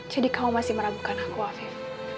jadi kamu masih meragukan aku afif